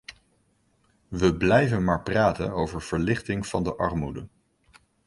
We blijven maar praten over verlichting van de armoede.